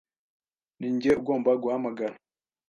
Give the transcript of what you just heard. Ninjye ugomba guhamagara .